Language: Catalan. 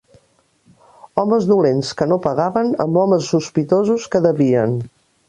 Homes dolents que no pagaven, amb homes sospitosos que devien